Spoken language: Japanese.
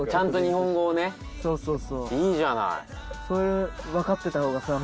いいじゃない。